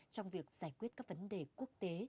trong việc giải quyết các vấn đề quốc tế